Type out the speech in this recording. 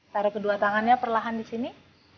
tarik kedua tangannya perlahan di sini